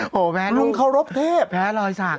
โอ้โฮแพ้ลุงแพ้รอยสักลุงเค้ารบเทพ